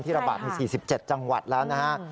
ระบาดใน๔๗จังหวัดแล้วนะฮะ